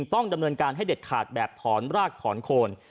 ต้องดำเนินการให้เด็ดขาดแบบถอนรากถอนโคน